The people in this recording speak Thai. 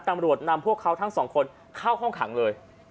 ตำรวจนำพวกเขาทั้งสองคนเข้าห้องขังเลย